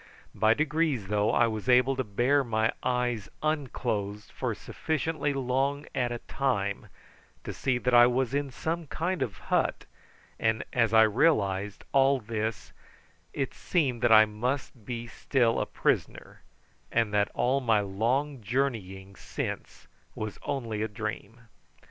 By degrees, though, I was able to bear my eyes unclosed for sufficiently long at a time to see that I was in some kind of hut, and as I realised all this it seemed that I must be still a prisoner, and that all my long journeying since was only a dream.